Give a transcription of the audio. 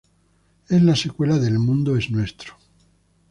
Es la secuela de El mundo es nuestro.